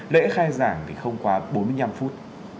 lễ khai giảng thì không quá bốn mươi năm phút